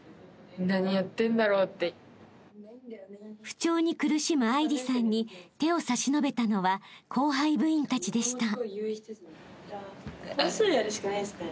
［不調に苦しむ愛梨さんに手を差し伸べたのは後輩部員たちでした］